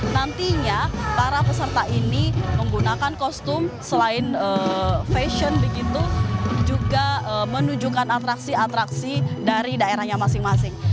nantinya para peserta ini menggunakan kostum selain fashion begitu juga menunjukkan atraksi atraksi dari daerahnya masing masing